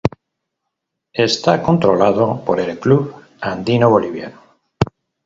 Está controlado por el Club Andino Boliviano.